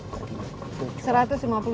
berat tinggi itu rp satu ratus lima puluh lima